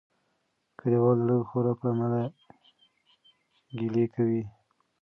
کلیوال د لږ خوراک له امله ګیلې کوي.